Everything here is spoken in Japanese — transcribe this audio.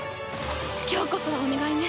今日こそはお願いね。